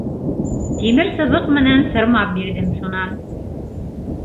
Тимер сыбыҡ менән сырмап бирҙем шунан...